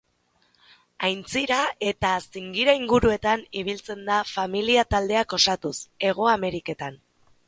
Aintzira eta zingira inguruetan ibiltzen da familia-taldeak osatuz, Hego Ameriketan.